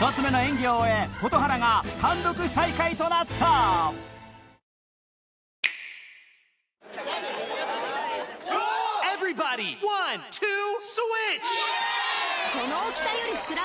１つ目の演技を終え蛍原が単独最下位となったパトカーパトカーパ。